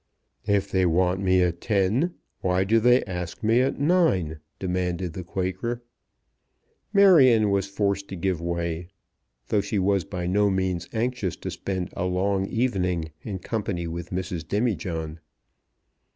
"If they want me at ten, why do they ask me at nine?" demanded the Quaker. Marion was forced to give way, though she was by no means anxious to spend a long evening in company with Mrs. Demijohn.